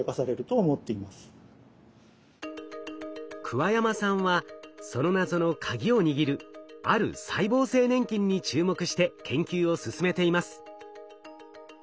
桑山さんはその謎のカギを握るある細胞性粘菌に注目して研究を進めています。